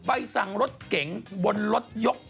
ใบสั่งรถเก๋งบนรถยก